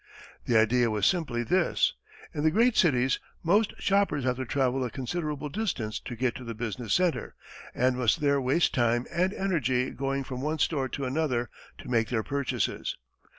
The idea was simply this: In the great cities, most shoppers have to travel a considerable distance to get to the business centre, and must there waste time and energy going from one store to another to make their purchases.